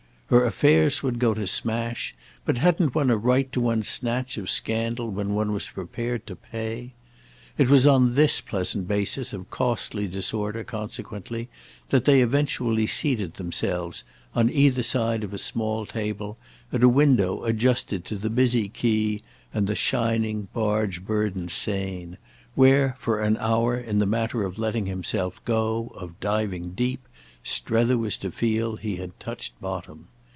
Her affairs would go to smash, but hadn't one a right to one's snatch of scandal when one was prepared to pay? It was on this pleasant basis of costly disorder, consequently, that they eventually seated themselves, on either side of a small table, at a window adjusted to the busy quay and the shining barge burdened Seine; where, for an hour, in the matter of letting himself go, of diving deep, Strether was to feel he had touched bottom.